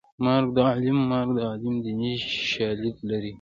مرګ د عالم مرګ د عالم دیني شالید لري